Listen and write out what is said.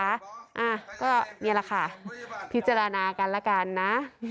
อ่ะก็นี่แหละค่ะพิจารณากันละกันนะ